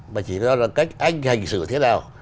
mà chỉ là cách anh hành xử thế nào